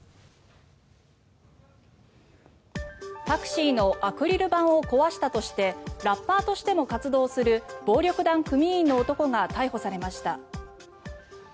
タクシーのアクリル板を壊したとしてラッパーとしても活動する暴力団組員の男が逮捕されました。